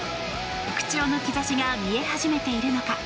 復調の兆しが見え始めているのか。